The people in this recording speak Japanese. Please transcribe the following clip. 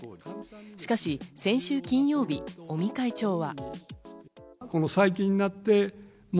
しかし先週金曜日、尾身会長は。